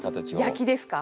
焼きですか？